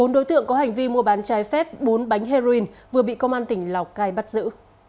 bốn đối tượng có hành vi mua bán trái phép bốn bánh heroin vừa bị công an tỉnh lào cai bắt giữ